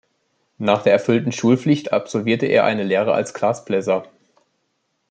Nach der erfüllten Schulpflicht absolvierte er eine Lehre als Glasbläser.